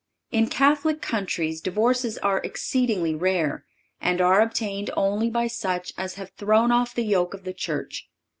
In Catholic countries divorces are exceedingly rare, and are obtained only by such as have thrown off the yoke of the Church.